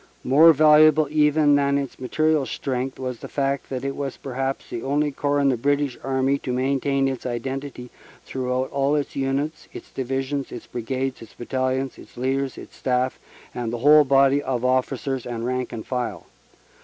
More valuable even than its material strength was the fact that it was perhaps the only corps in the British Army to maintain its identity through out all its units its Divisions, its Brigades, its Battalions, its leaders, its staff and the whole body of officers and rank and file.